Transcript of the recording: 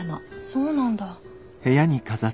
そうなんだ。